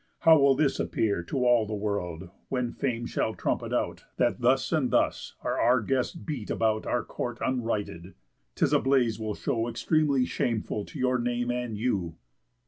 How will this appear To all the world, when Fame shall trumpet out, That thus, and thus, are our guests beat about Our court unrighted? 'Tis a blaze will show Extremely shameful to your name and you."